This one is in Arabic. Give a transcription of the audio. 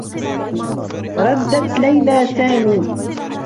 ردّت ليلى سامي.